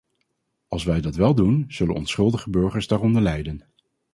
Als wij dat wel doen, zullen onschuldige burgers daaronder lijden.